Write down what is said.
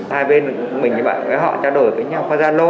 hai bên mình với họ trao đổi với nhau qua gia lô